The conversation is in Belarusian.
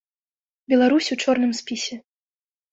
Беларусь у чорным спісе!